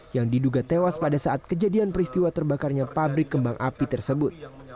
yang diduga tewas pada saat kejadian peristiwa terbakarnya pabrik kembang api tersebut